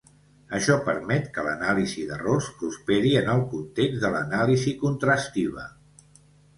Això permet que l'anàlisi d'errors prosperi en el context de l'anàlisi contrastiva.